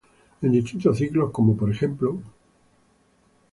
En distintos ciclos, como por ejemplo.